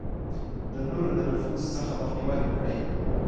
د نورو د نفوذ څخه مخنيوی وکړئ.